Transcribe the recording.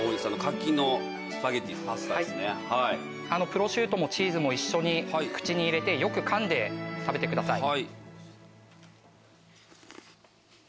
プロシュートもチーズも一緒に口に入れてよくかんで食べてください。